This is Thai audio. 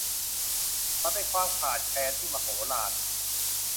มันเป็นความขาดแคลนที่มโหฬาร